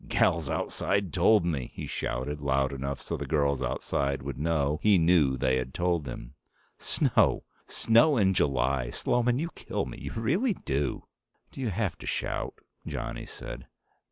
"Gals outside told me!" he shouted, loud enough so the girls outside would know he knew they had told him. "Snow! Snow in July! Sloman, you kill me! You really do!" "Do you have to shout?" Johnny said.